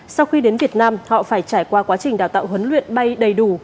sau khi đến việt nam họ phải trải qua quá trình đào tạo huấn luyện bay đầy đủ